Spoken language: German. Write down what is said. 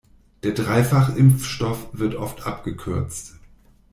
Der Dreifach-Impfstoff wird oft abgekürzt.